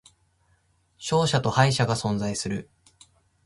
勝者と敗者が存在する